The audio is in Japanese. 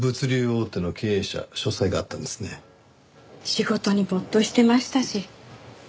仕事に没頭してましたし。